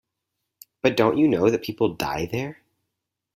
But don't you know that people die there?